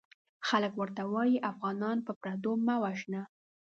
خلک ورته وايي افغانان په پردو مه وژنه!